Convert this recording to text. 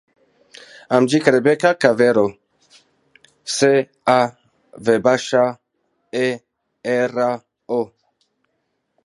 Em dic Rebeca Cavero: ce, a, ve baixa, e, erra, o.